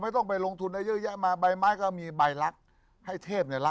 คิกคิกคิกคิกคิกคิกคิกคิกคิกคิกคิกคิกคิกคิก